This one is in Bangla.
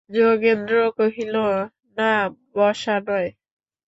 যোগেন্দ্র কহিল, না, বসা নয়।